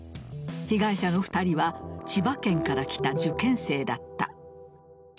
被害者の２人は千葉県から来た受験生だった。